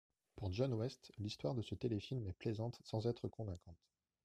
Pour John West, l'histoire de ce téléfilm est plaisante sans être convaincante.